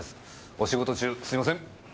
お仕事中すいません。